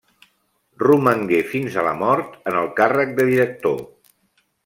Romangué fins a la mort en el càrrec de director.